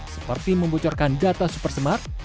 seperti membucarkan data supersmart